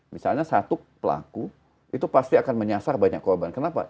misalnya satu pelaku itu pasti akan menyasar banyak korban kenapa